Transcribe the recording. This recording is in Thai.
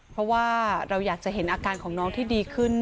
เพราะว่าเราอยากจะเห็นอาการของน้องที่ดีขึ้น